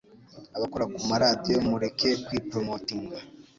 Abakora ku ma radiyo mureke kwi promoting